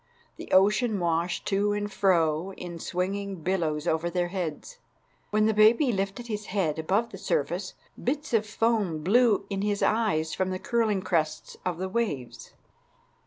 The ocean washed to and fro in swinging billows over their heads. When the baby lifted his head above the surface, bits of foam blew in his eyes from the curling crests of the waves.